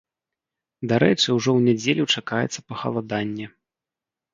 Дарэчы, ужо ў нядзелю чакаецца пахаладанне.